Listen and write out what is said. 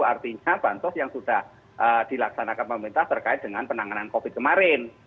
artinya bantuan yang sudah dilaksanakan pemerintah terkait dengan penanganan covid kemarin